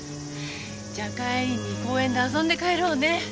じゃあ帰りに公園で遊んで帰ろうね。